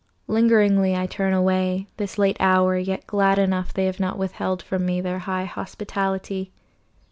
Lingeringly I turn away, This late hour, yet glad enough They have not withheld from me Their high hospitality.